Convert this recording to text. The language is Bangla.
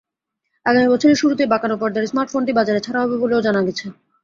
আগামী বছরের শুরুতেই বাঁকানো পর্দার স্মার্টফোনটি বাজারে ছাড়া হবে বলেও জানা গেছে।